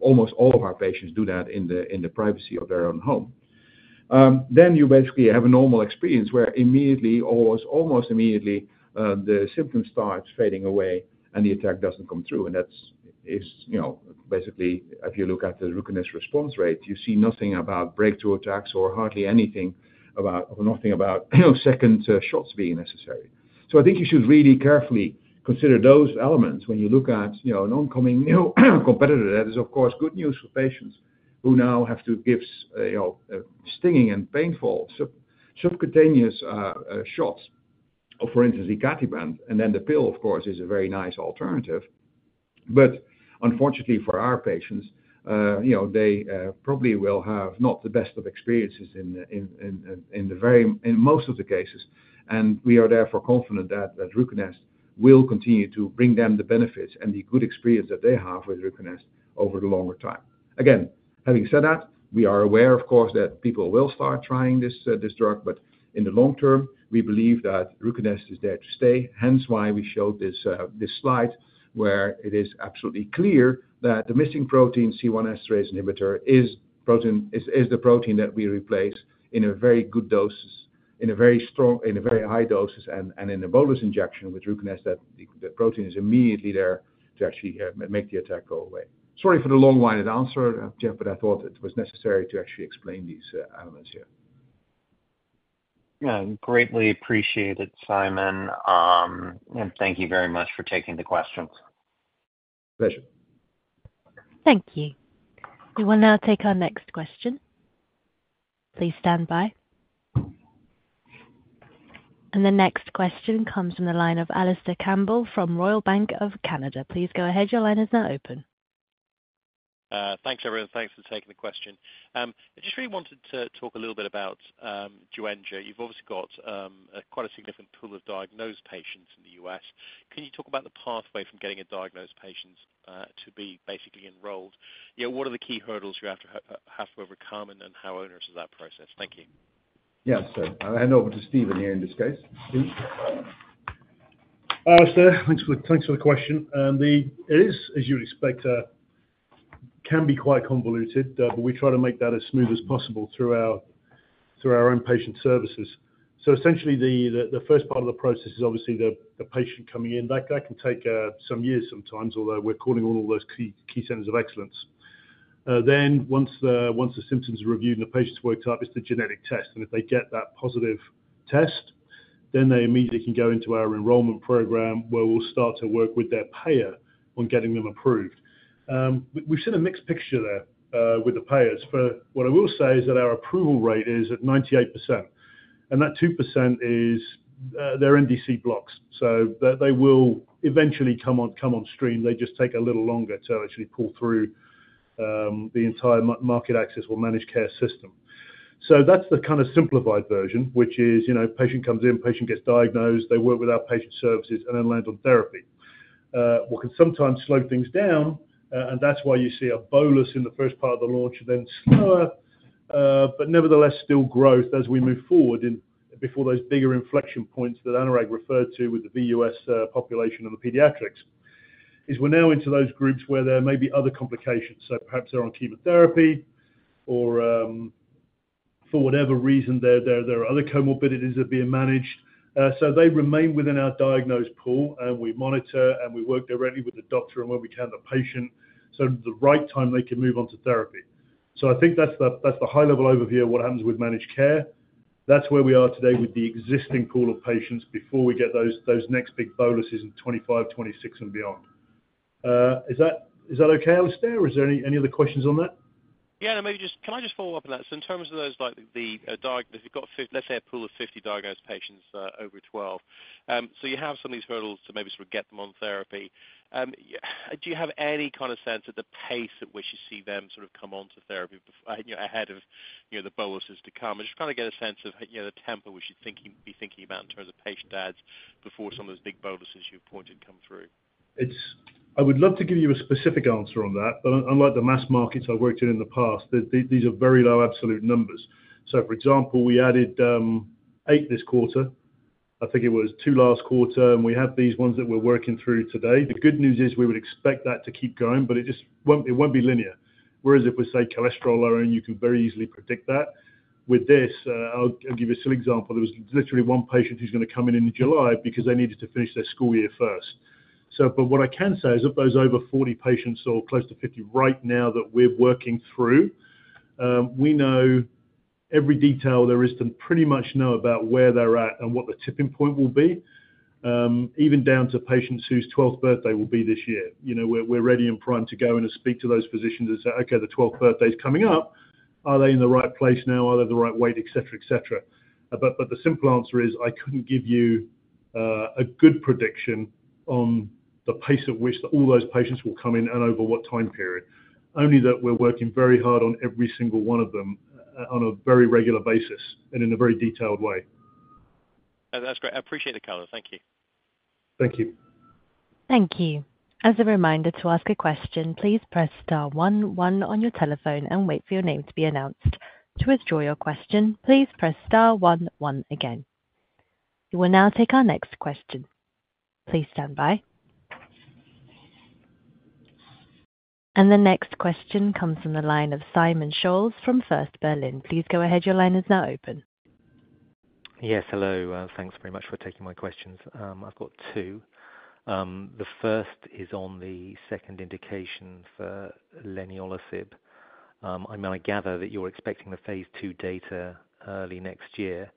almost all of our patients do that in the privacy of their own home. Then you basically have a normal experience where immediately or almost, almost immediately, the symptoms start fading away, and the attack doesn't come through, and that's, you know, basically, if you look at the Ruconest response rate, you see nothing about breakthrough attacks or hardly anything about, or nothing about, second shots being necessary. So I think you should really carefully consider those elements when you look at, you know, an oncoming, new competitor. That is, of course, good news for patients who now have to give, you know, stinging and painful subcutaneous shots. Oh, for instance, icatibant, and then the pill, of course, is a very nice alternative. But unfortunately for our patients, you know, they probably will have not the best of experiences in most of the cases. And we are therefore confident that Ruconest will continue to bring them the benefits and the good experience that they have with Ruconest over the longer time. Again, having said that, we are aware, of course, that people will start trying this drug, but in the long term, we believe that Ruconest is there to stay. Hence, why we showed this, this slide, where it is absolutely clear that the missing protein, C1 esterase inhibitor, is protein, is, is the protein that we replace in a very good doses, in a very strong in very high doses and, and in a bolus injection with Ruconest, that the, the protein is immediately there to actually, make the attack go away. Sorry for the long-winded answer, Jeff, but I thought it was necessary to actually explain these, elements here. Yeah, greatly appreciated, Sijmen. Thank you very much for taking the questions. Pleasure. Thank you. We will now take our next question. Please stand by. The next question comes from the line of Alistair Campbell from Royal Bank of Canada. Please go ahead. Your line is now open. Thanks, everyone. Thanks for taking the question. I just really wanted to talk a little bit about Joenja. You've obviously got quite a significant pool of diagnosed patients in the U.S. Can you talk about the pathway from getting a diagnosed patient to be basically enrolled? You know, what are the key hurdles you have to overcome, and then how onerous is that process? Thank you. Yes, sir. I'll hand over to Stephen here in this case. Please. Alistair, thanks for, thanks for the question. It is, as you'd expect, can be quite convoluted, but we try to make that as smooth as possible through our own patient services. So essentially, the first part of the process is obviously the patient coming in. That can take some years sometimes, although we're calling all those key centers of excellence. Then once the symptoms are reviewed and the patient's worked up, it's the genetic test, and if they get that positive test, then they immediately can go into our enrollment program, where we'll start to work with their payer on getting them approved. We've seen a mixed picture there, with the payers, but what I will say is that our approval rate is at 98%, and that 2% is, they're NDC blocks, so they, they will eventually come on, come on stream. They just take a little longer to actually pull through the entire market access or managed care system. So that's the kind of simplified version, which is, you know, patient comes in, patient gets diagnosed, they work with our patient services and then land on therapy. What can sometimes slow things down, and that's why you see a bolus in the first part of the launch, and then slower, but nevertheless, still growth as we move forward and before those bigger inflection points that Anurag referred to with the VUS population and the pediatrics, is we're now into those groups where there may be other complications. So perhaps they're on chemotherapy or, for whatever reason, there are other comorbidities that are being managed. So they remain within our diagnosed pool, and we monitor, and we work directly with the doctor and where we can, the patient, so the right time they can move on to therapy. So I think that's the high-level overview of what happens with managed care. That's where we are today with the existing pool of patients before we get those next big boluses in 2025, 2026 and beyond. Is that okay, Alistair, or is there any other questions on that? Yeah, maybe just... Can I just follow up on that? So in terms of those, like the, if you've got, let's say, a pool of 50 diagnosed patients, over 12, so you have some of these hurdles to maybe sort of get them on therapy. Yeah, do you have any kind of sense of the pace at which you see them sort of come on to therapy before, you know, ahead of, you know, the boluses to come? I just want to get a sense of, you know, the tempo we should thinking, be thinking about in terms of patient adds before some of those big boluses you pointed come through. It's. I would love to give you a specific answer on that, but unlike the mass markets I've worked in the past, these, these are very low absolute numbers. So for example, we added eight this quarter. I think it was two last quarter, and we have these ones that we're working through today. The good news is we would expect that to keep going, but it just won't. It won't be linear, whereas if we say cholesterol or own, you can very easily predict that. With this, I'll give you a silly example. There was literally 1 patient who's going to come in in July because they needed to finish their school year first. So, but what I can say is of those over 40 patients or close to 50 right now that we're working through, we know every detail there is to pretty much know about where they're at and what the tipping point will be, even down to patients whose twelfth birthday will be this year. You know, we're ready and prime to go in and speak to those physicians and say, "Okay, the twelfth birthday is coming up. Are they in the right place now? Are they the right weight?" Et cetera, et cetera. But the simple answer is, I couldn't give you a good prediction on the pace at which all those patients will come in and over what time period. Only that we're working very hard on every single one of them, on a very regular basis and in a very detailed way. That's great. I appreciate the color. Thank you. Thank you. Thank you. As a reminder to ask a question, please press star one one on your telephone and wait for your name to be announced. To withdraw your question, please press star one one again. We will now take our next question. Please stand by. The next question comes from the line of Simon Scholes from First Berlin. Please go ahead. Your line is now open. Yes, hello. Thanks very much for taking my questions. I've got two. The first is on the second indication for leniolisib. I gather that you're expecting the phase II data early next year.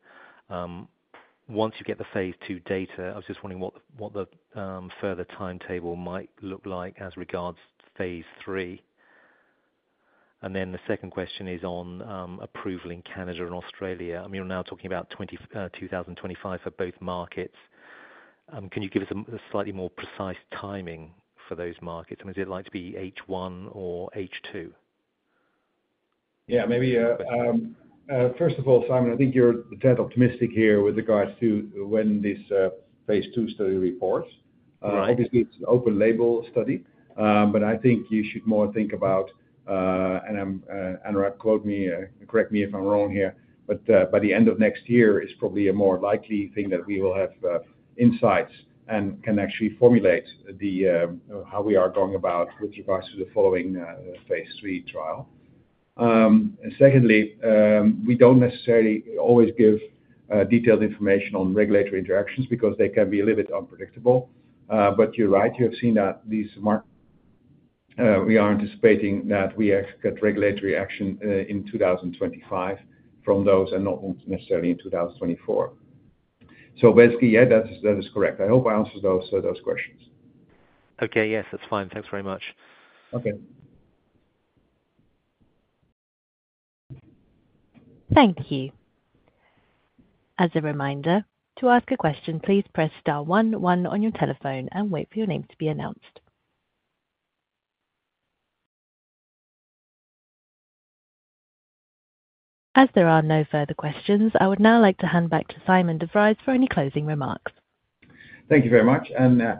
Once you get the phase II data, I was just wondering what the further timetable might look like as regards phase III? And then the second question is on approval in Canada and Australia. I mean, you're now talking about 2025 for both markets. Can you give us a slightly more precise timing for those markets? And is it likely to be H1 or H2? Yeah, maybe, first of all, Simon, I think you're a tad optimistic here with regards to when this phase II study reports. Right. Obviously, it's an open label study. But I think you should more think about and correct me if I'm wrong here, but by the end of next year is probably a more likely thing that we will have insights and can actually formulate how we are going about with regards to the following phase III trial. And secondly, we don't necessarily always give detailed information on regulatory interactions because they can be a little bit unpredictable. But you're right, you have seen that these markets, we are anticipating that we get regulatory action in 2025 from those and not necessarily in 2024. So basically, yeah, that's, that is correct. I hope I answered those questions. Okay. Yes, that's fine. Thanks very much. Okay. Thank you. As a reminder, to ask a question, please press star one one on your telephone and wait for your name to be announced. As there are no further questions, I would now like to hand back to Sijmen de Vries for any closing remarks. Thank you very much.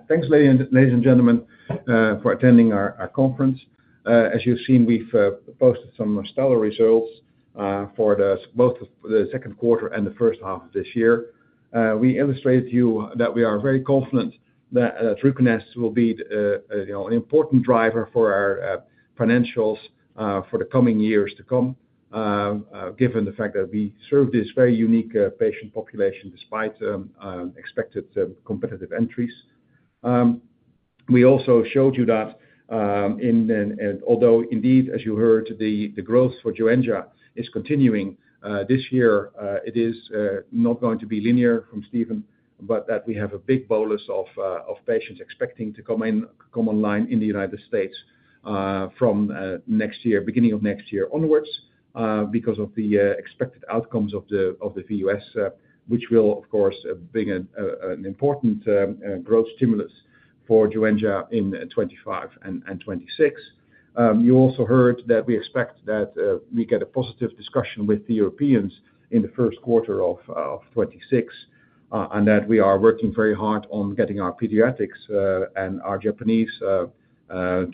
Thanks, ladies and gentlemen, for attending our conference. As you've seen, we've posted some stellar results for both the second quarter and the first half of this year. We illustrated to you that we are very confident that Ruconest will be, you know, an important driver for our financials for the coming years to come, given the fact that we serve this very unique patient population despite expected competitive entries. We also showed you that, and although indeed, as you heard, the growth for Joenja is continuing this year, it is not going to be linear from Stephen, but that we have a big bolus of patients expecting to come in, come online in the United States, from next year, beginning of next year onwards, because of the expected outcomes of the VUS, which will, of course, be an important growth stimulus for Joenja in 2025 and 2026. You also heard that we expect that we get a positive discussion with the Europeans in the first quarter of 2026, and that we are working very hard on getting our pediatrics and our Japanese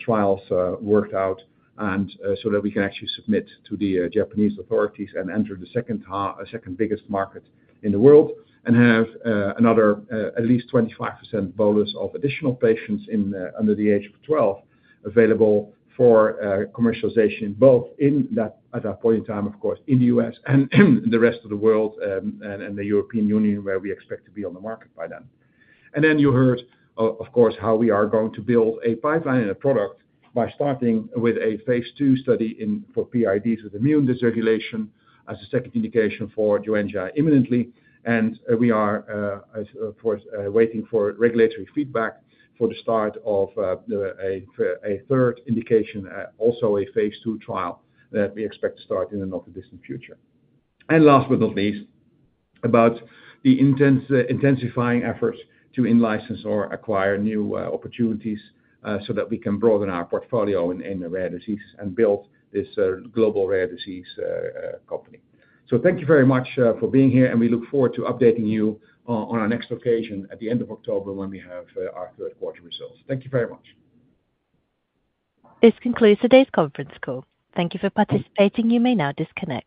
trials worked out, so that we can actually submit to the Japanese authorities and enter the second biggest market in the world. And have another at least 25% bolus of additional patients under the age of 12, available for commercialization, both in that at that point in time, of course, in the U.S. and the rest of the world, and the European Union, where we expect to be on the market by then. And then you heard, of course, how we are going to build a pipeline and a product by starting with a phase II study in, for PIDs with immune dysregulation as a second indication for Joenja imminently. And, we are, as of course, waiting for regulatory feedback for the start of a third indication, also a phase II trial that we expect to start in the not too distant future. And last but not least, about the intensifying efforts to in-license or acquire new opportunities, so that we can broaden our portfolio in, in the rare disease and build this, global rare disease, company. Thank you very much, for being here, and we look forward to updating you on our next occasion at the end of October when we have our third quarter results. Thank you very much. This concludes today's conference call. Thank you for participating. You may now disconnect.